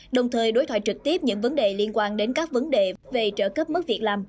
đồng thời đối thoại trực tiếp những vấn đề liên quan đến các vấn đề về trợ cấp mức việc làm